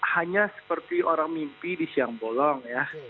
hanya seperti orang mimpi di siang bolong ya